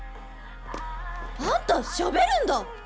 あんたしゃべるんだ！